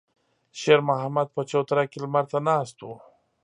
شېرمحمد په چوتره کې لمر ته ناست و.